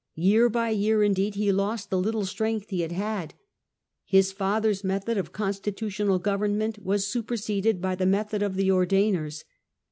Year by year, indeed, he lost the little strength he had had. His father's method of constitutional government was super seded by the method of the Ordainers.